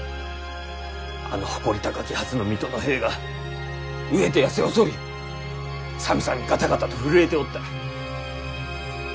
あの誇り高きはずの水戸の兵が飢えてやせ細り寒さにガタガタと震えておった。